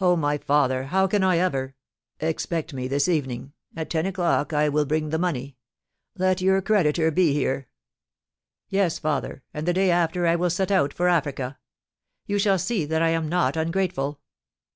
"Oh, my father! How can I ever " "Expect me this evening; at ten o'clock I will bring the money. Let your creditor be here." "Yes, father, and the day after I will set out for Africa. You shall see that I am not ungrateful!